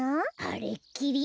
あれっきり。